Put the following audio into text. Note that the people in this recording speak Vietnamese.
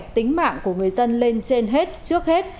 tính mạng của người dân lên trên hết trước hết